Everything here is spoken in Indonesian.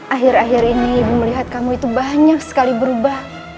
akhir akhir ini ibu melihat kamu itu banyak sekali berubah